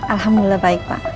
alhamdulillah baik pak